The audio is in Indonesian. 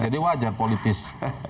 jadi wajar politis